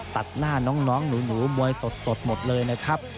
ตัดหน้าน้องหนูมวยสดหมดเลยนะครับ